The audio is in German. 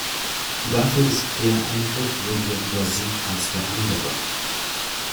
Dafür ist der Eingriff weniger invasiv als der andere.